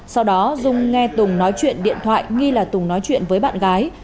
sau đó dung nghe tùng nói chuyện điện thoại nghi là tùng nói chuyện với bạn gái